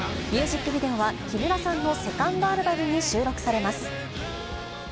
ミュージックビデオは、木村さんのセカンドアルバムに収録されます。